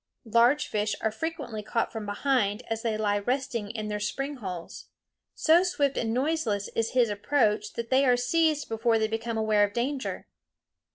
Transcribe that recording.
Large fish are frequently caught from behind as they lie resting in their spring holes. So swift and noiseless is his approach that they are seized before they become aware of danger.